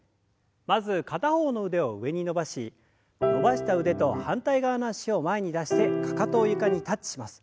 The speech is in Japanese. まず片方の腕を上に伸ばし伸ばした腕と反対側の脚を前に出してかかとを床にタッチします。